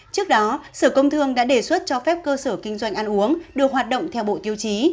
trước đó sở công thương đã đề xuất cho phép cơ sở kinh doanh ăn uống được hoạt động theo bộ tiêu chí